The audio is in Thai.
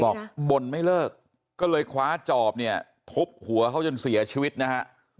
บ่นไม่เลิกก็เลยคว้าจอบเนี่ยทุบหัวเขาจนเสียชีวิตนะฮะ